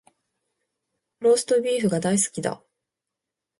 ローストビーフが大好きだ